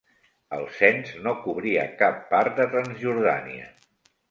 El cens no cobria cap part de Transjordània.